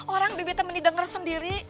orang bibi teh mendengar sendiri